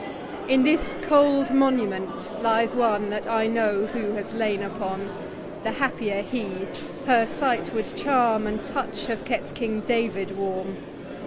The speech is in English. H In this cold Monument lies one, That I know who has lain upon, The happier He : her Sight would charm, And Touch have kept King David warm.